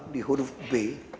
di huruf b